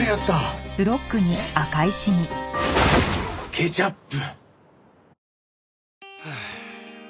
ケチャップ！